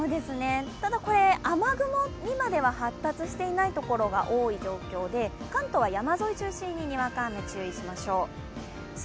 ただ、雨雲にまでは発達していないところが多い状況で、関東は山沿い中心ににわか雨に注意しましょう。